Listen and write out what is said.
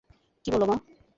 কী বল মা?